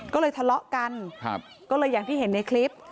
ก็เลยทะเลาะกันก็เลยอย่างที่เห็นในคลิป